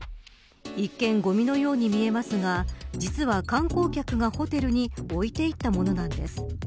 一見ごみのように見えますが実は観光客がホテルに置いていったものなんです。